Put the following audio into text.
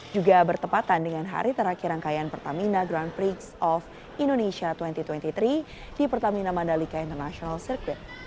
juga bertepatan dengan hari terakhir rangkaian pertamina grand prix of indonesia dua ribu dua puluh tiga di pertamina mandalika international circuit